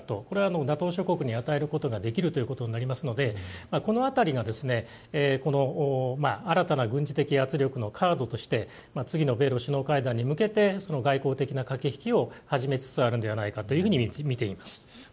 これをＮＡＴＯ諸国に与えることができますのでこの辺りが新たな軍事的圧力のカードとして次の米露首脳会談に向けて外交的な駆け引きを始めつつあるのではないかとみています。